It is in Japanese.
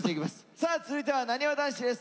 さあ続いてはなにわ男子です。